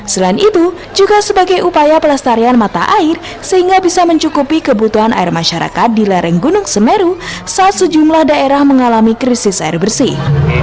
selain itu juga sebagai upaya pelestarian mata air sehingga bisa mencukupi kebutuhan air masyarakat di lereng gunung semeru saat sejumlah daerah mengalami krisis air bersih